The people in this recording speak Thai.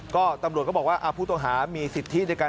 ก็ตำรวจก็บอกว่าผู้ต้องหามีสิทธิในการ